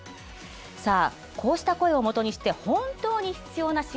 さあこうした声をもとにして本当に必要な支援とは何か。